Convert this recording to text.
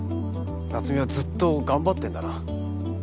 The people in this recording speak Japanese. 夏美はずっと頑張ってるんだな。